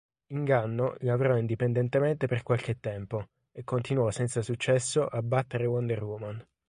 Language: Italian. Inganno lavorò indipendentemente per qualche tempo, e continuò senza successo a battere Wonder Woman.